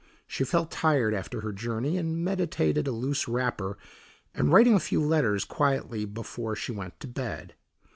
She felt tired after her journey, and meditated a loose wrapper and writing a few letters quietly before she went to bed.